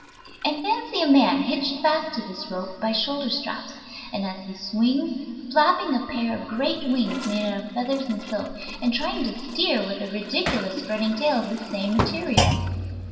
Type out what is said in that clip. And fancy a man hitched fast to this rope by shoulder straps, and as he swings flapping a pair of great wings made of feathers and silk, and trying to steer with a ridiculous spreading tail of the same materials.